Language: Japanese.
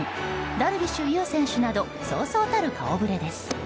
ダルビッシュ有選手などそうそうたる顔ぶれです。